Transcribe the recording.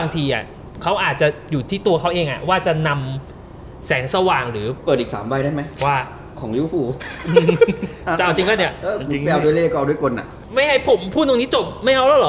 พูดตรงนี้จบไม่เอาแล้วเหรอ